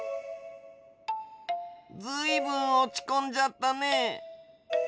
ずいぶんおちこんじゃったね。